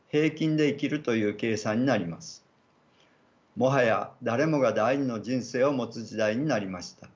もはや誰もが第二の人生を持つ時代になりました。